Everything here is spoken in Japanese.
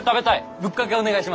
ぶっかけお願いします。